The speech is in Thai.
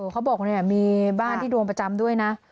เค้าบอกคนนี้มีบ้านที่โดนประจำด้วยนะ